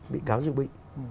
bị cáo dự bị